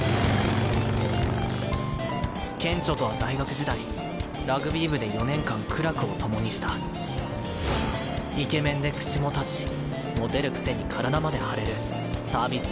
ケンチョとは大学時代ラグビー部で４年間苦楽を共にしたイケメンで口も立ちモテるくせに体まで張れるサービス